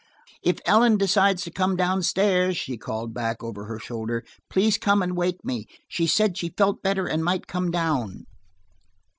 "If Ellen decides to come down stairs," she called back over her shoulder, "please come and wake me. She said she felt better and might come down."